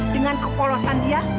dengan kepolosan dia